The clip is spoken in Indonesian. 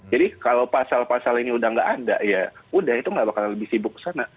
jadi kalau pasal pasal ini udah nggak ada ya udah itu nggak bakal lebih sibuk kesana